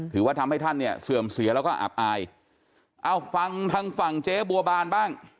ถือว่าทำให้ท่านเนี่ยเสื่อมเสียแล้วก็อับอายเอ้าฟังทางฝั่งเจ๊บัวบานบ้าง